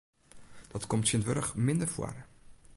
Dat komt tsjintwurdich minder foar.